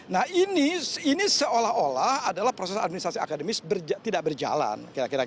nah ini seolah olah adalah proses administrasi akademis tidak berjalan kira kira